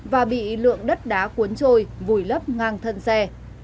và bị lượng đất đá cuốn trôi vùi lấp ngang thân xe